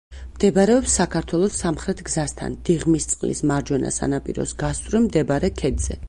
მდებარეობს საქართველოს სამხრეთ გზასთან, დიღმისწყლის მარჯვენა სანაპიროს გასწვრივ მდებარე ქედზე.